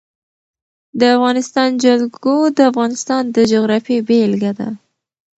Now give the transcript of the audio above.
د افغانستان جلکو د افغانستان د جغرافیې بېلګه ده.